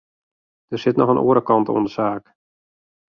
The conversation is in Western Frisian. Der sit noch in oare kant oan de saak.